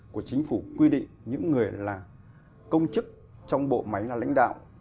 của chính phủ quy định những người là công chức trong bộ máy là lãnh đạo